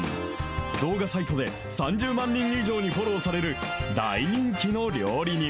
動画サイトで３０万人以上にフォローされる、大人気の料理人。